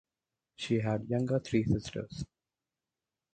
She had younger three sisters.